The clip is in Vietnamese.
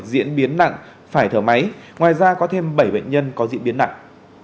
diễn biến nặng phải thở máy ngoài ra có thêm bảy bệnh nhân có diễn biến nặng